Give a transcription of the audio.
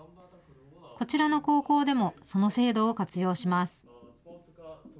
こちらの高校でもその制度を活用します。